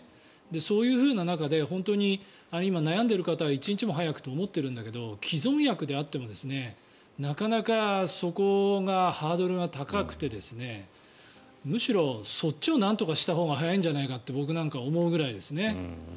そういう中で本当に今、悩んでいる方は一日も早くと思っているんだけど既存薬であってもなかなかそこがハードルが高くてむしろそっちをなんとかしたほうが早いんじゃないかって僕なんかは思うくらいですね。